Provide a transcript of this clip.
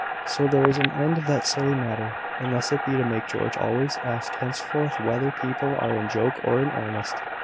So there is an end of that silly matter, unless it be to make George always ask henceforth whether people are in joke or in earnest."